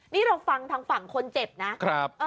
นี่เราฟังทางฝั่งคนเจ็บนะครับ